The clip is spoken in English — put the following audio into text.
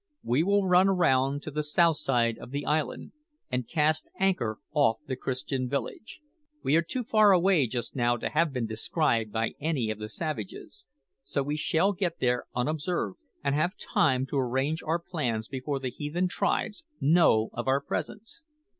"We will run round to the south side of the island, and cast anchor off the Christian village. We are too far away just now to have been descried by any of the savages, so we shall get there unobserved, and have time to arrange our plans before the heathen tribes know of our presence.